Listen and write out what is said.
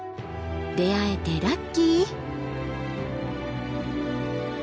出会えてラッキー！